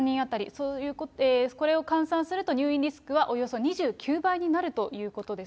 そういうことで、これを換算すると入院リスクはおよそ２９倍になるということです